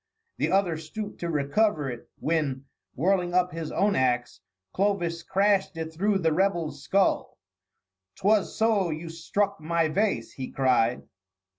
The other stooped to recover it, when, whirling up his own axe, Clovis crashed it through the rebel's skull. "'Twas so you struck my vase," he cried.